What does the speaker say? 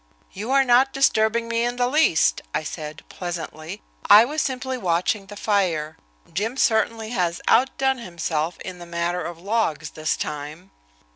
"You are not disturbing me in the least," I said, pleasantly, "I was simply watching the fire. Jim certainly has outdone himself in the matter of logs this time."